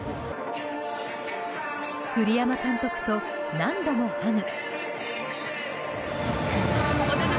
栗山監督と何度もハグ。